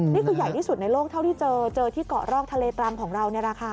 นี่คือใหญ่ที่สุดในโลกเท่าที่เจอเจอที่เกาะรอกทะเลตรำของเรานี่แหละค่ะ